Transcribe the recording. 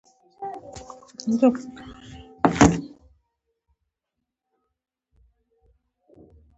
د انارو د ونو شاخه بري څنګه وکړم؟